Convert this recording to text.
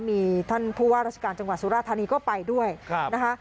มีท่านผู้ว่าราชการจังหวัดสุราธานีก็ไปด้วยนะคะ